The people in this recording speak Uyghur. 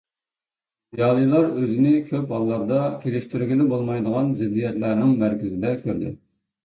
زىيالىيلار ئۆزىنى كۆپ ھاللاردا كېلىشتۈرگىلى بولمايدىغان زىددىيەتلەرنىڭ مەركىزىدە كۆردى.